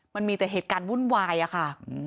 มันมีแต่เหตุการณ์วุ่นวายอะค่ะ